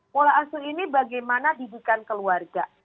pola asuh ini bagaimana didikan keluarga